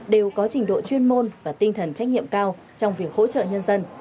đều có trình độ chuyên môn và tinh thần trách nhiệm cao trong việc hỗ trợ nhân dân